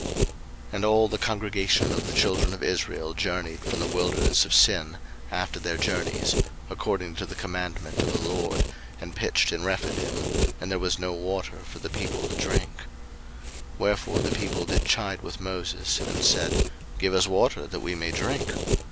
02:017:001 And all the congregation of the children of Israel journeyed from the wilderness of Sin, after their journeys, according to the commandment of the LORD, and pitched in Rephidim: and there was no water for the people to drink. 02:017:002 Wherefore the people did chide with Moses, and said, Give us water that we may drink.